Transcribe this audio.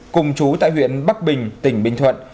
cùng chú tại huyện bắc bình tỉnh bình thuận